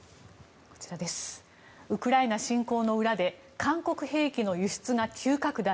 ウクライナ侵攻の裏で韓国兵器の輸出が急拡大。